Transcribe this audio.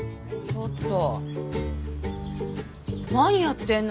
ちょっと！